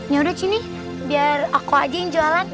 yaudah sini biar aku aja yang jualan